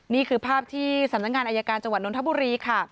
นี่คือภาพที่สำนักงานอายการจังหวัดนทบุรีค่ะ